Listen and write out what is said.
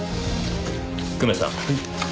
久米さん。